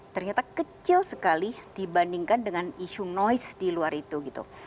ternyata kecil sekali dibandingkan dengan isu noise di luar itu gitu